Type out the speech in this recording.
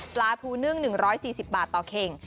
ปลาทูนึ่ง๑๔๐บาทต่อเข่ง